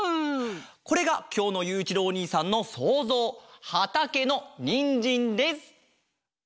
これがきょうのゆういちろうおにいさんのそうぞうはたけのにんじんです！